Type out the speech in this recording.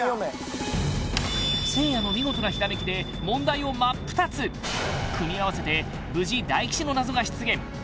せいやの見事な閃きで問題を真っ二つ組み合わせて無事大吉の謎が出現